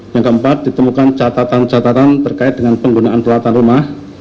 yang keempat ditemukan catatan catatan terkait dengan penggunaan peralatan rumah